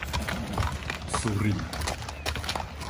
สุรินทร์